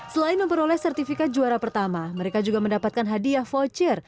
selain memperoleh sertifikat juara pertama mereka juga mendapatkan hadiah voucher